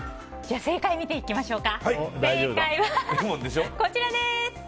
正解見ていきましょう。